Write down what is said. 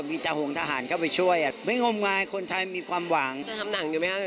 มีคำนู้นเลยว่ามากับกระแสอะไรเนี่ย